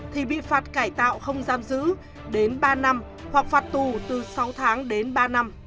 thì bị phạt cải tạo không giam giữ đến ba năm hoặc phạt tù từ sáu tháng đến ba năm